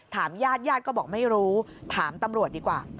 ญาติญาติก็บอกไม่รู้ถามตำรวจดีกว่า